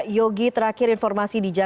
yogi terakhir informasi di jakarta